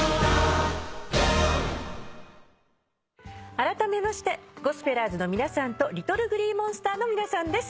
あらためましてゴスペラーズの皆さんとＬｉｔｔｌｅＧｌｅｅＭｏｎｓｔｅｒの皆さんです。